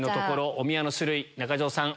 おみやの種類中条さん